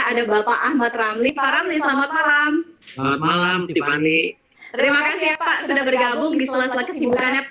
ada bapak ahmad ramli para menelan malam malam di mana terima kasih pak sudah bergabung diselenggaranya